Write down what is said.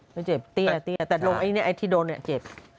ไม่เจ็บตี้เลยแต่ที่โดนเจ็บ